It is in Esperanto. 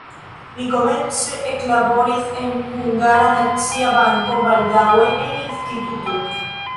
Li komence eklaboris en Hungara Nacia Banko, baldaŭe en instituto.